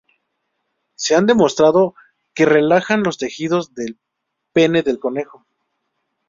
Se ha demostrado que relajan los tejidos del pene del conejo.